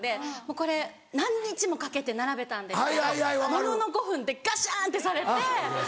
これ何日もかけて並べたんですけどものの５分でガシャンってされて。